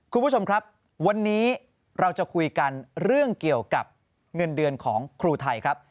คุณผู้ชมครับวันนี้เราจะคุยกันเรื่องเกี่ยวกับเงินเดือนของครูไทยครับ